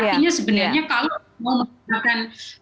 artinya sebenarnya kalau mau menggunakan